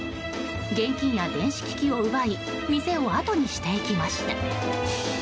現金や電子機器を奪い店をあとにしていきました。